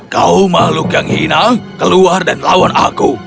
kau makhluk yang hina keluar dan lawan aku